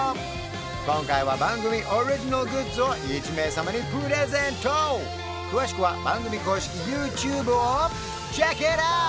今回は番組オリジナルグッズを１名様にプレゼント詳しくは番組公式ＹｏｕＴｕｂｅをｃｈｅｃｋｉｔｏｕｔ！